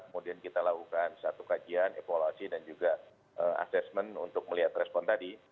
kemudian kita lakukan satu kajian evaluasi dan juga assessment untuk melihat respon tadi